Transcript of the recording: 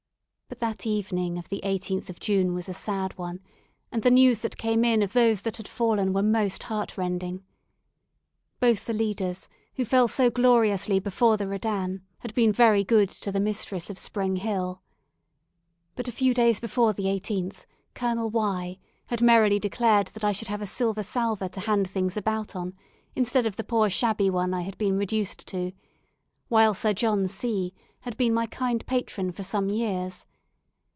But that evening of the 18th of June was a sad one, and the news that came in of those that had fallen were most heartrending. Both the leaders, who fell so gloriously before the Redan, had been very good to the mistress of Spring Hill. But a few days before the 18th, Col. Y had merrily declared that I should have a silver salver to hand about things upon, instead of the poor shabby one I had been reduced to; while Sir John C had been my kind patron for some years.